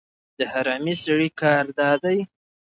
د حرامي سړي کار دا دی.